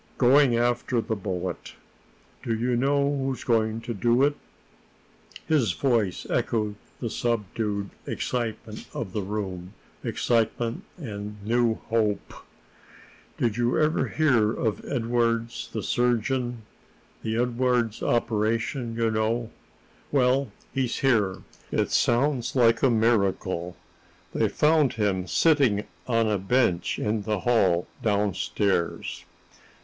"Going after the bullet. Do you know who's going to do it?" His voice echoed the subdued excitement of the room excitement and new hope. "Did you ever hear of Edwardes, the surgeon? the Edwardes operation, you know. Well, he's here. It sounds like a miracle. They found him sitting on a bench in the hall downstairs."